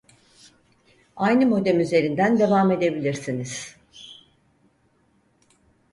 Aynı modem üzerinden devam edebilirsiniz